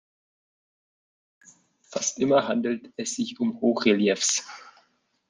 Fast immer handelt es sich um Hochreliefs.